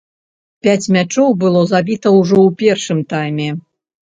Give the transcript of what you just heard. Пяць мячоў было забіта ўжо ў першым тайме.